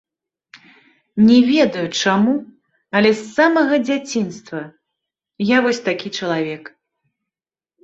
Не ведаю, чаму, але з самага дзяцінства я вось такі чалавек.